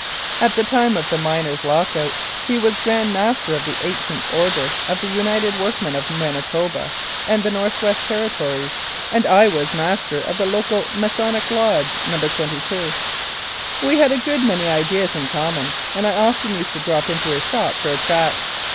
At the time of the miners' lock out he was Grand Master of the Ancient Order of the United Work men of Manitoba and the North West Territories, 45 Mounted Police Life in Canada and I was Master of the local Masonic lodge, No. 22. We had a good many ideas in common, and I often used to drop into his shop for a chat.